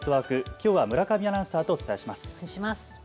きょうは村上アナウンサーとお伝えします。